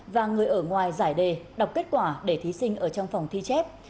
và người ở ngoài giải đề đọc kết quả để thí sinh ở trong phòng thi chép